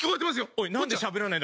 おい！